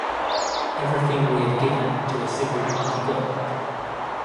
Everything we have given to a single party government.